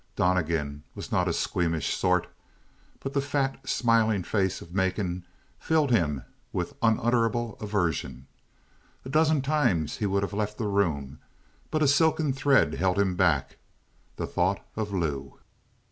Donnegan was not a squeamish sort, but the fat, smiling face of Macon filled him with unutterable aversion. A dozen times he would have left the room, but a silken thread held him back, the thought of Lou.